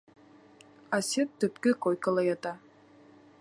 Асет төпкө койкала ята.